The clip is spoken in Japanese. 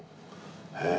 へえ。